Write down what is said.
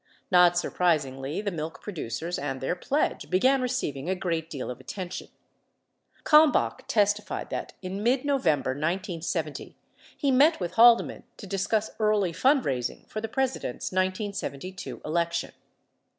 Not surpris higly, the milk producers and their pledge began receiving a great deal of attention. Kalmbach testified that in mid November, 1970, he met with Halde man to discuss early fundraising for the President's 1972 election.